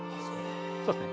そうですね。